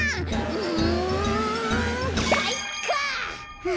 うんかいか！